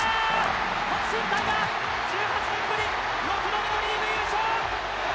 阪神タイガース１８年ぶり６度目のリーグ優勝！